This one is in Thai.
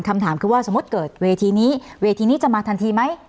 คำถามคือว่าสมมุติเกิดเวทีนี้เวทีนี้จะมาทันทีไหม